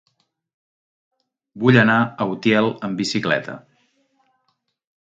Vull anar a Utiel amb bicicleta.